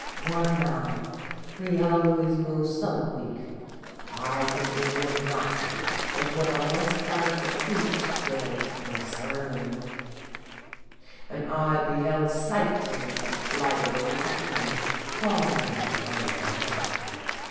Run now, for he 54 Singeb 4lt0tl)0. always moves so quick, I can think of nothin' but what I once heard the priest say in a ser mon: 'And I beheld Satan like lightnin' fallin' from heaven.'